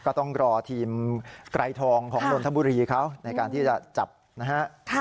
ก็ต้องรอทีมไกรทองของนนทบุรีเขาในการที่จะจับนะฮะ